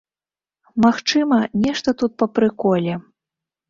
Магчыма, нешта тут па прыколе.